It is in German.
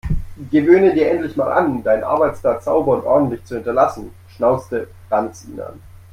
Gewöhne dir endlich mal an, deinen Arbeitsplatz sauber und ordentlich zu hinterlassen, schnauzte Franz ihn an.